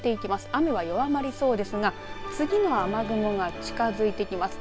雨は弱まりそうですが次の雨雲が近づいてきます。